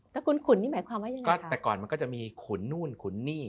ถ้าขุนนี่หมายความว่ายังไงก็แต่ก่อนมันก็จะมีขุนนู่นขุนนี่